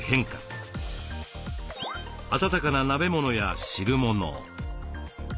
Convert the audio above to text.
温かな鍋物や汁物。